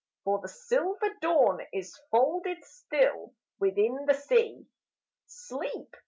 for the silver dawn is folded still Within the sea ; Sleep